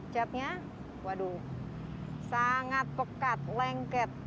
catnya waduh sangat pekat lengket